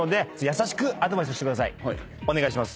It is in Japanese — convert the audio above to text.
お願いします。